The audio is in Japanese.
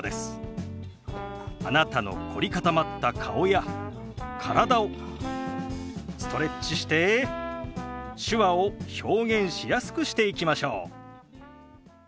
あなたの凝り固まった顔や体をストレッチして手話を表現しやすくしていきましょう。